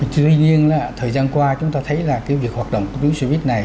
tuy nhiên là thời gian qua chúng ta thấy là cái việc hoạt động của tuyến xe buýt này